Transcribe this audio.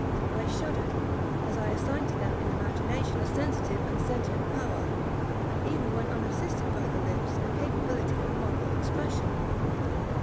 I shuddered as I assigned to them in imagination a sensitive and sentient power, and even when unassisted by the lips, a capability of moral expression.